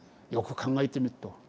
よく考えてみっと。